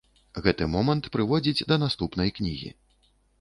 Гэты момант прыводзіць да наступнай кнігі.